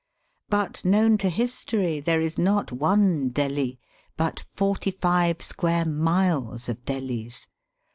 But known to history there is not one Delhi but forty five square miles of Delhis.